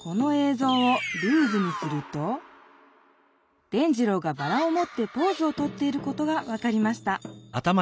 ぞうをルーズにすると伝じろうがバラをもってポーズをとっていることが分かりました。